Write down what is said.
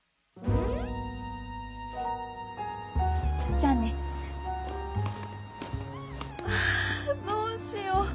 じゃあねわどうしよう